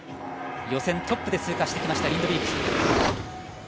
予選トップで通過してきましたリンドビーク。